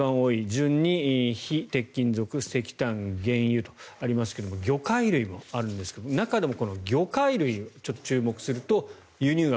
順に非鉄金属、石炭原油とありますが魚介類もあるんですが中でも魚介類に注目すると輸入額